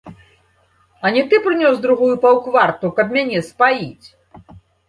А не ты прынёс другую паўкварту, каб мяне спаіць?